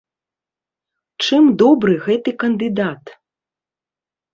Чым добры гэты кандыдат?